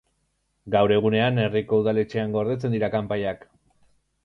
Gaur egunean herriko udaletxean gordetzen dira kanpaiak.